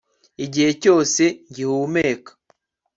igihe cyose ngihumeka